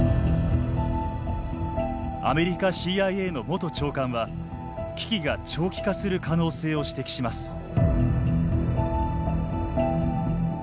アメリカＣＩＡの元長官は危機が長期化する可能性を指摘します。